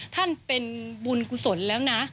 ท่านเป็นบุญกุศลแล้วนะ